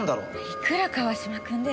いくら川島君でも。